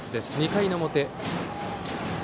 ２回の表。